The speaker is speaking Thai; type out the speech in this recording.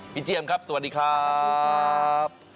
เจียมครับสวัสดีครับ